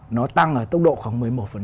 nó tăng ở tốc độ khoảng một mươi một